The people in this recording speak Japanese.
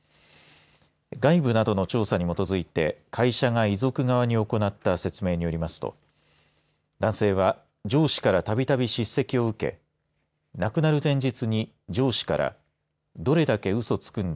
外部などの調査に基づいて会社が遺族側に行った説明によりますと男性は上司からたびたび叱責を受け亡くなる前日に上司からどれだけうそつくんだ。